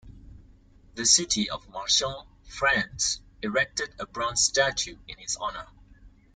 The city of Marciac, France, erected a bronze statue in his honor.